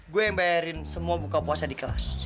gue yang bayarin semua buka puasa di kelas